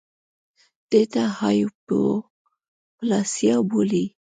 دې ته هایپوپلاسیا بولي